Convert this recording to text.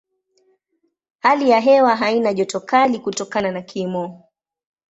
Hali ya hewa haina joto kali kutokana na kimo.